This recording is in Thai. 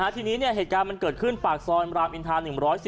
ทีนี้เหตุการณ์มันเกิดขึ้นปากซอยรามอินทา๑๔